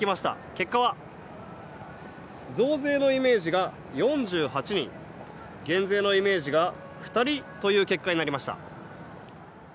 結果は増税のイメージが４８人減税のイメージが２人という結果になりました。